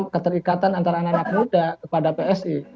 keterikatan antara anak anak muda kepada psi